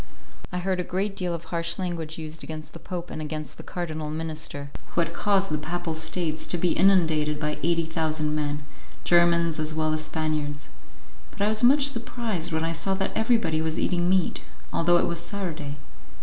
I heard a great deal of harsh language used against the Pope and against the Cardinal Minister, who had caused the Papal States to be inundated by eighty thousand men, Germans as well as Spaniards. But I was much surprised when I saw that everybody was eating meat, although it was Saturday.